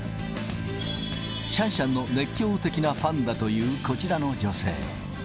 シャンシャンの熱狂的なファンだというこちらの女性。